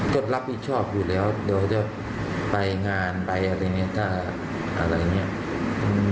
ก็รับผิดชอบอยู่แล้วเดี๋ยวจะไปงานไปอะไรอย่างนี้